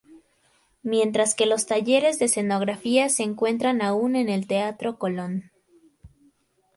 Mientras que los talleres de escenografía se encuentran aún en el Teatro Colón